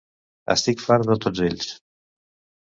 Estic fart de tots ells.